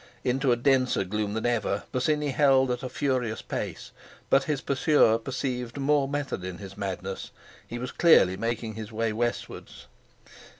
Into a denser gloom than ever Bosinney held on at a furious pace; but his pursuer perceived more method in his madness—he was clearly making his way westwards.